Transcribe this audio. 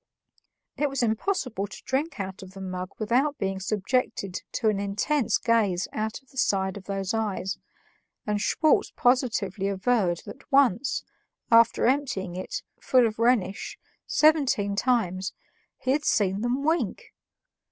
It was impossible to drink out of the mug without being subjected to an intense gaze out of the side of these eyes, and Schwartz positively averred that once, after emptying it, full of Rhenish, seventeen times, he had seen them wink!